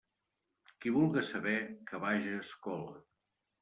Qui vulga saber, que vaja a escola.